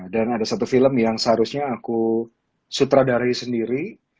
dan ada satu film yang seharusnya aku sutradarai sendiri